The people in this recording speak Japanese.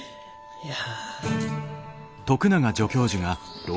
いや。